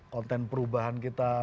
konten perubahan kita